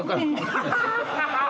ハハハハ！